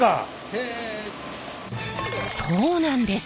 そうなんです。